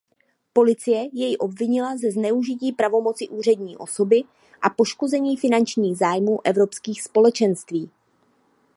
Policie jej obvinila ze zneužití pravomoci úřední osoby a poškození finančních zájmů Evropských společenství.